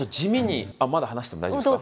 あっまだ話しても大丈夫ですか？